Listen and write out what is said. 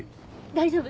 大丈夫？